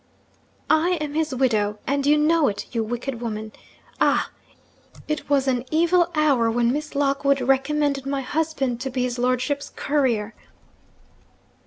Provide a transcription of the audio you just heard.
'I am his widow and you know it, you wicked woman! Ah! it was an evil hour when Miss Lockwood recommended my husband to be his lordship's courier